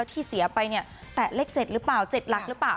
ที่เสียไปเนี่ยแตะเลข๗หรือเปล่า๗หลักหรือเปล่า